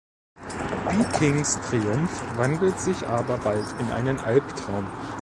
Bikings Triumph wandelt sich aber bald in einen Alptraum.